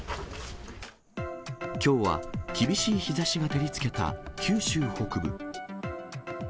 きょうは厳しい日ざしが照りつけた九州北部。